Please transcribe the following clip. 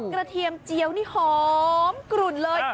กระเทียมเจียวหอมกลุ่นเลย